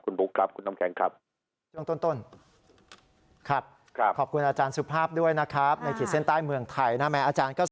คุณบุ๊คครับคุณน้ำแข็งครับ